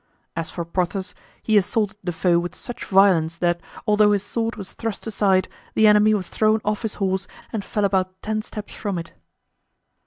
As for Porthos, he assaulted the foe with such violence that, although his sword was thrust aside, the enemy was thrown off his horse and fell about ten steps from it.